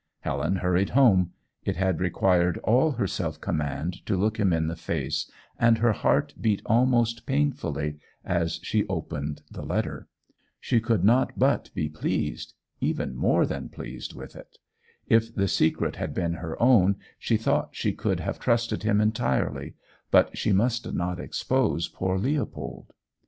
Helen hurried home. It had required all her self command to look him in the face, and her heart beat almost painfully as she opened the letter. She could not but be pleased even more than pleased with it. If the secret had been her own, she thought she could have trusted him entirely; but she must not expose poor Leopold.